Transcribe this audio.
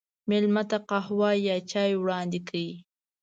مېلمه ته قهوه یا چای وړاندې کړه.